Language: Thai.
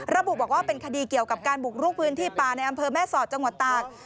ระบุบอกว่าเป็นคดีเกี่ยวกับการบุกลุกพื้นที่ป่าในอำเภอแม่สอดจังหวัดตาก